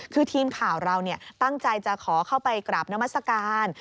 คือทีมข่าวเราตั้งใจจะขอเข้าไปกราบนามัศกาล